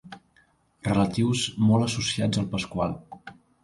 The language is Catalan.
Relatius molt associats al Pasqual.